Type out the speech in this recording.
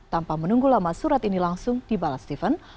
tanpa menunggu lama surat ini langsung dibalas steven